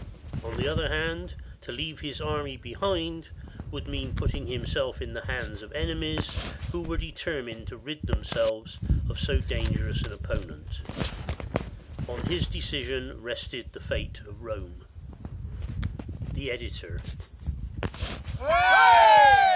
On the other hand, to leave his army behind would mean putting himself in the hands of enemies who were determined to rid them selves of so dangerous an opponent. On his decision rested the fate of Rome. The Editor.